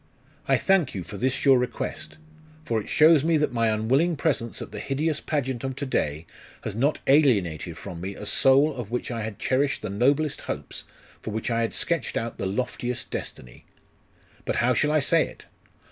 I thank you for this your request, for it shows me that my unwilling presence at the hideous pageant of to day has not alienated from me a soul of which I had cherished the noblest hopes, for which I had sketched out the loftiest destiny. But how shall I say it?